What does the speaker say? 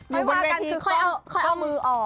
อยู่บนเวทีค่อยเอามือออก